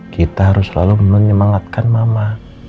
kita harus selalu menyemangatkan mama